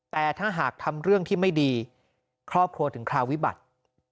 แต่ถ้าหากทำเรื่องที่ไม่ดีครอบครัวถึงคราววิบัติ